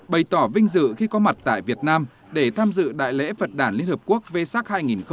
bày tỏ vinh dự khi có mặt tại việt nam để tham dự đại lễ phật đàn liên hợp quốc vê sắc hai nghìn một mươi chín